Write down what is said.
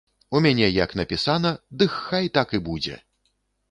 У мяне як напісана, дых хай так і будзе!